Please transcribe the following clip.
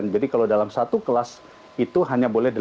jadi kalau dalam satu kelas itu hanya boleh delapan belas orang